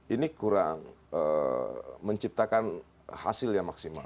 ini kurang menciptakan hasil yang maksimal